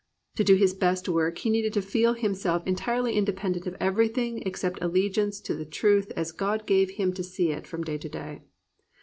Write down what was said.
To do his best work he needed to feel himself en tirely indep>endent of everj^thing except allegiance to the truth as God gave him to see it from day to day.